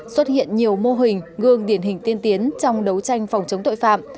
xuất hiện nhiều mô hình gương điển hình tiên tiến trong đấu tranh phòng chống tội phạm